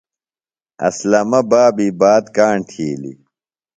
اسلمہ بابی بات کاݨ تِھیلیۡ۔